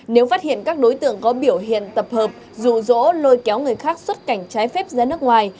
nếu phát hiện các đối tượng có biểu hiện tập hợp rụ rỗ lôi kéo người khác xuất cảnh trái phép ra nước ngoài